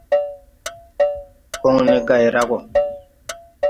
Kɔŋne gay ra gɔ.